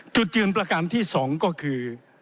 จุดยืนประการที่๒ก็คือ